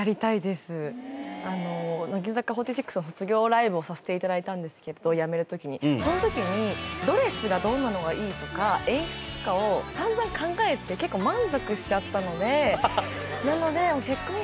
乃木坂４６の卒業ライブをさせていただいたんですけど辞める時にその時にドレスがどんなのがいいとか演出とかをさんざん考えて結構満足しちゃったのでなので結婚式はもうホントに結構